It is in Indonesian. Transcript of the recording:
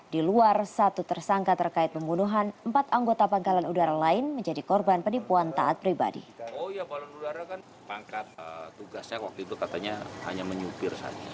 di luar satu tersangka terkait pembunuhan empat anggota pangkalan udara lain menjadi korban penipuan taat pribadi